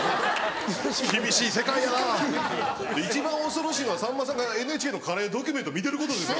厳しい世界やな一番恐ろしいのはさんまさんがＮＨＫのカレードキュメント見てることですよ。